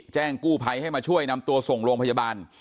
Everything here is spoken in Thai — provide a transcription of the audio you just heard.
แจ้งกู้ภัยให้มาช่วยนำตัวส่งโรงพยาบาล